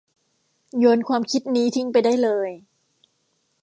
โยนความคิดนี้ทิ้งไปได้เลย